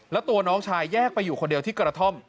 แล้วตัวน้องชายแยกไปอยู่คนเดียวที่กระท่อม